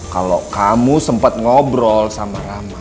kalau kamu sempat ngobrol sama rama